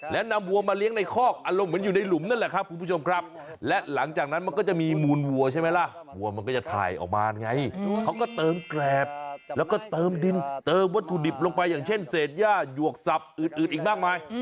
เติมวัตถุดิบลงไปอย่างเช่นเสร็จย่าหยวกสับอืดอีกมากมาย